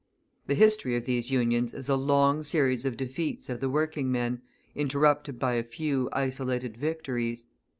The history of these Unions is a long series of defeats of the working men, interrupted by a few isolated victories.